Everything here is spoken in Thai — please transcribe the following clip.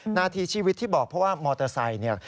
นาทีชีวิตที่บอกเพราะว่ามอเตอร์ไซค์เนี่ย